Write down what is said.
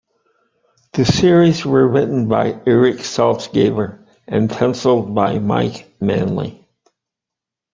The series were written by Erik Saltzgaber and pencilled by Mike Manley.